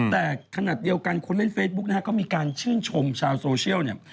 แต่ขนาดเดียวกันคนเล่นเฟซบุ๊กนะฮะก็มีการชื่นชมชาวโซเชียลเนี่ย